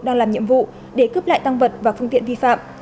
đang làm nhiệm vụ để cướp lại tăng vật và phương tiện vi phạm